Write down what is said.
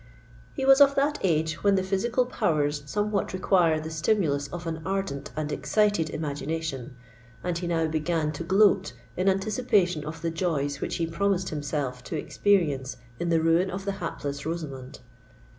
He was of that age when the physical powers somewhat require the stimulus of an ardent and excited imagination; and he now began to gloat in anticipation of the joys which he promised himself to experience in the ruin of the hapless Rosamond.